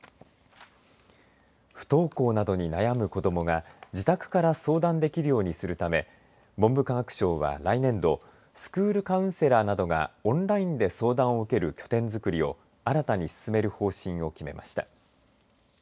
不登校などに悩む子どもが自宅から相談できるようにするため文部科学省は来年度スクールカウンセラーなどがオンラインで相談を受ける拠点づくりを新たに進める方針を決めました。